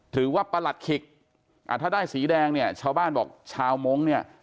ประหลัดขิกถ้าได้สีแดงเนี่ยชาวบ้านบอกชาวมงค์เนี่ย